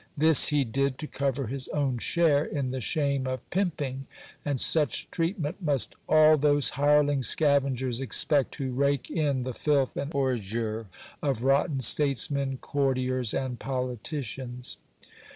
This he did, to cover his own share in the shame of pimping ; and such treatment must all those hireling scavengers expect, who rake in the filth and ordure of rotten statesmen, courtiers, and politicians.